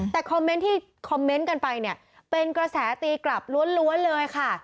แต่คอมเมนต์ที่คอมเมนต์กันไปเนี่ยเป็นกระแสตีกลับล้วนเลยค่ะ